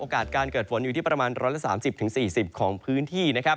โอกาสการเกิดฝนอยู่ที่ประมาณ๑๓๐๔๐ของพื้นที่